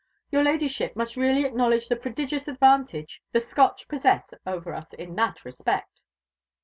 Your Ladyship must really acknowledge the prodigious advantage the Scotch possess over us in that respect."